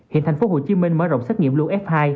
hiện tp hcm mở rộng xét nghiệm lưu f hai